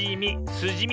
すじみね。